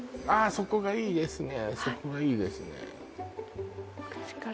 そこがいいですね